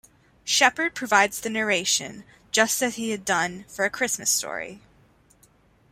Shepherd provides the narration, just as he had done for "A Christmas Story".